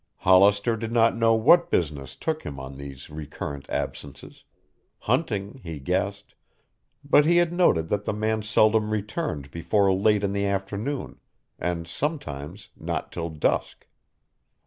Hollister did not know what business took him on these recurrent absences; hunting, he guessed, but he had noted that the man seldom returned before late in the afternoon, and sometimes not till dusk.